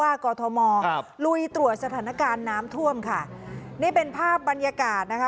กอทมครับลุยตรวจสถานการณ์น้ำท่วมค่ะนี่เป็นภาพบรรยากาศนะคะ